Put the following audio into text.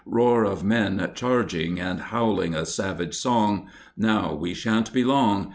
Roar of men charging and howling a savage song "Now we shan't be long!"